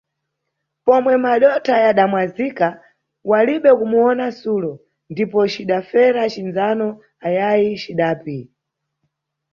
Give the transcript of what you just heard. Pomwe madotha yadamwazika, walibe kumuyona Sulo, ndipo cidafera cindzano ayayi cidapi.